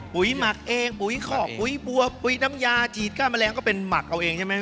หมักเองปุ๋ยคอกปุ๋ยบัวปุ๋ยน้ำยาฉีดก้านแมลงก็เป็นหมักเอาเองใช่ไหม